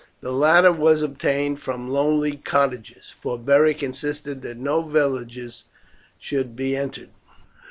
The latter was obtained from lonely cottages, for Beric insisted that no villages should be entered.